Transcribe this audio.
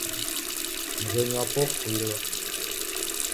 Mghenyu wapo ofuilwa.